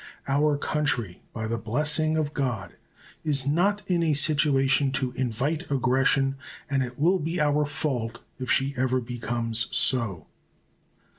Our country, by the blessing of God, is not in a situation to invite aggression, and it will be our fault if she ever becomes so.